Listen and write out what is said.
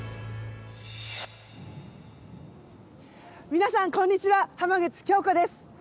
皆さんこんにちは浜口京子です。